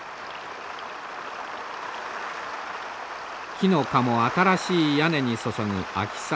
木の香も新しい屋根に注ぐ秋雨。